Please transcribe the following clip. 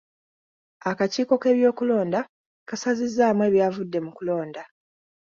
Akakiiko k'ebyokulonda kasazizzaamu ebyavudde mu kulonda.